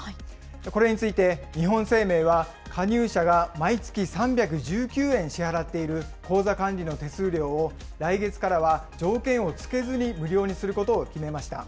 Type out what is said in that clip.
これについて日本生命は、加入者が毎月３１９円支払っている口座管理の手数料を来月からは条件をつけずに無料にすることを決めました。